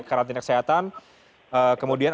kekarantinaan kesehatan kemudian